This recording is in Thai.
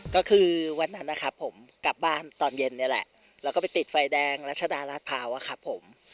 ก็คือวันนั้นนะครับผมกลับบ้านตอนเย็นนี่แหละแล้วก็ไปติดไฟแดงรัชดาราชภาวะครับผม